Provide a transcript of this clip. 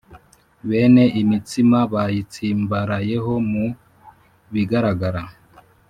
Bene imitsima bayitsimbarayeho mu bigaragara